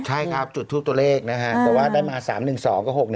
ใช่ครับจุดทูปตัวเลขนะฮะแต่ว่าได้มา๓๑๒กับ๖๑